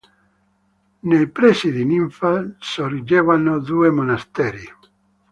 Nei pressi di Ninfa sorgevano due monasteri.